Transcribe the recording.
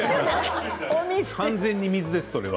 完全に水です、それは。